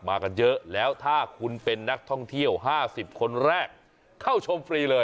มากันเยอะแล้วถ้าคุณเป็นนักท่องเที่ยว๕๐คนแรกเข้าชมฟรีเลย